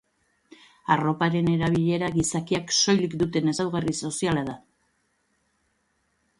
Arroparen erabilera gizakiak soilik duten ezaugarri soziala da.